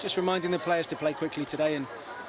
jadi hanya mengingatkan pemain pemain untuk berkelanjutan hari ini